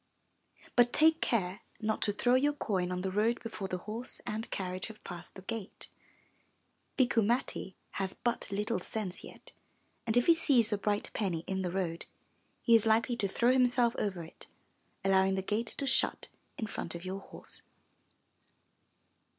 But take care not to throw your coin on the road before the horse and carriage have passed the gate; Bikku Matti has but little sense yet, and if he sees the bright penny in the road, he is likely to throw himself over it, allowing the gate to shut in front of your horse.